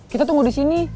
kita tunggu di sini